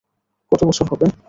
কত বছর হবে?